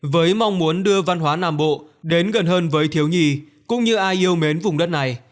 với mong muốn đưa văn hóa nam bộ đến gần hơn với thiếu nhi cũng như ai yêu mến vùng đất này